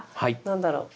何だろう？